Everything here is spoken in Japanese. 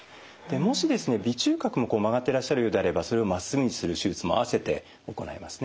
もしですね鼻中隔も曲がってらっしゃるようであればそれをまっすぐにする手術も併せて行いますね。